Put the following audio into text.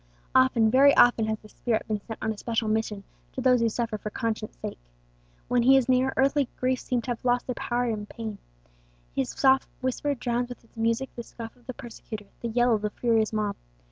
Often, very often, has this spirit been sent on a special mission to those who suffer for conscience' sake. When he is near, earthly griefs seem to have lost their power to pain; his soft whisper drowns with its music the scoff of the persecutor, the yell of the furious mob.